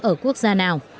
ở quốc gia nào